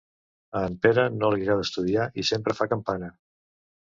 A en Pere no li agrada estudiar i sempre fa campana: